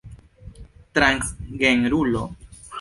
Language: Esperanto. transgenrulo